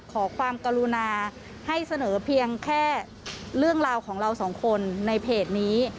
ขอความกรุณาให้เสนอเพียงแค่เรื่องราวของเราสองคนในเพจนี้